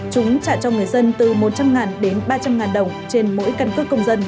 chúng trả cho người dân từ một trăm linh đến ba trăm linh đồng trên mỗi căn cước công dân